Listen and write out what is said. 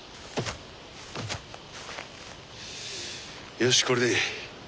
よしこれでいい。